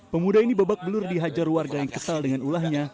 pemuda ini babak belur dihajar warga yang kesal dengan ulahnya